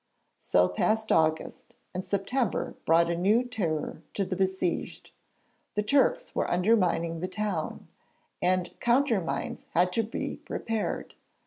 So passed August, and September brought a new terror to the besieged. The Turks were undermining the town, and countermines had to be prepared.